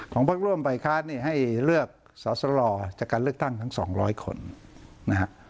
ของพักร่วมป่ายค้านนี่ให้เลือกสสลองจากการเลือกตั้งทั้งสองร้อยคนนะฮะ